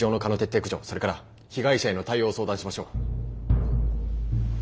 それから被害者への対応を相談しましょう。